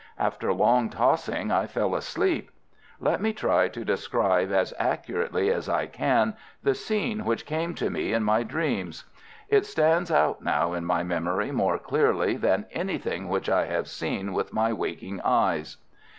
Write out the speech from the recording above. After long tossing I fell asleep. Let me try to describe as accurately as I can the scene which came to me in my dreams. It stands out now in my memory more clearly than anything which I have seen with my waking eyes.